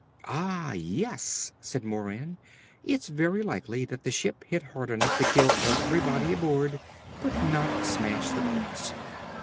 "Ah, yes!" said Moran. "It's very likely that the ship hit hard enough to kill everybody aboard, but not smash the boats!"